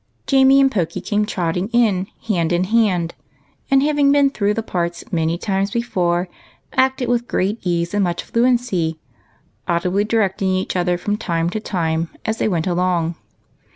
Jamie and Pokey came trotting in, hand in hand, and, having been through the parts many times before, acted with great ease and much fluency, audibly directing each other from time to time as they went along.